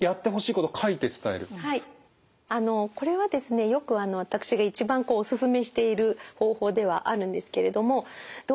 これはですねよく私が一番お勧めしている方法ではあるんですけれどもどうしてもですね